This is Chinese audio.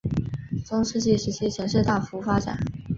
中世纪时期城市大幅发展。